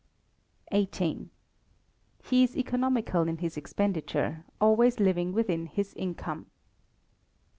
xviii. He is economical in his expenditure, always living within his income.